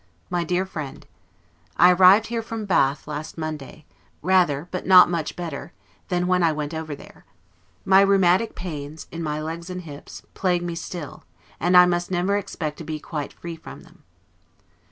MY DEAR FRIEND: I arrived here from Bath last Monday, rather, but not much better, than when I went over there. My rheumatic pains, in my legs and hips, plague me still, and I must never expect to be quite free from them.